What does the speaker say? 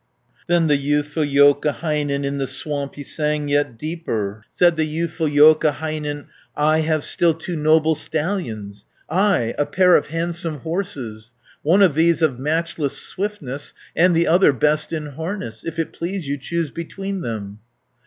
Then the youthful Joukahainen, in the swamp he sang yet deeper. 390 Said the youthful Joukahainen, "I have still two noble stallions; Ay, a pair of handsome horses; One of these of matchless swiftness, And the other best in harness. If it please you, choose between them."